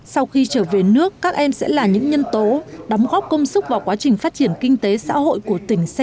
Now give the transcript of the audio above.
sau khi trở về nước các em sẽ là những nhân tố đóng góp công sức vào quá trình phát triển kinh tế xã hội của tỉnh say